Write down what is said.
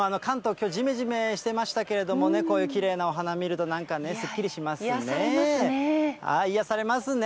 きょう、じめじめしてましたけれどもね、こういうきれいなお花見るとなんかね、癒やされますね。